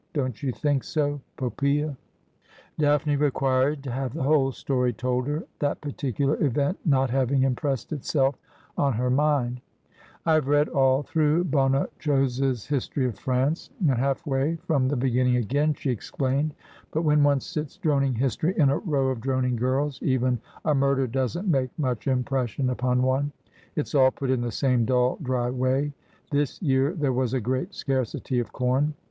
' Don't you think so, Poppsea ?' Daphne required to have the whole story told her ; that particular event not having impressed itself on her mind. ' I have read all through Bonnechose's history of France, and half way from the beginning again,' she explained. ' But when one sits droning history in a row of droning girls, even a murder doesn't make much impression upon one. It's all put in the same dull, dry way. This year there was a great scarcity of corn.